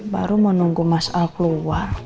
baru mau nunggu mas al keluar